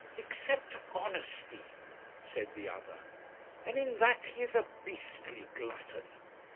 'Except honesty,' said the other, 'and in that he is a beastly glutton.